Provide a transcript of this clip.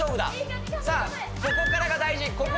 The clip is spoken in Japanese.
さあ、ここからが大事。